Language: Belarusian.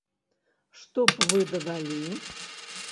Што б вы дадалі?